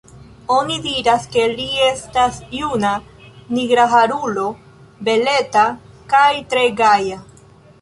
Oni diras, ke li estas juna nigraharulo, beleta kaj tre gaja.